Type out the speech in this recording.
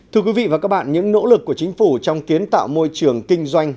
thưa quý vị và các bạn những nỗ lực của chính phủ trong kiến tạo môi trường kinh doanh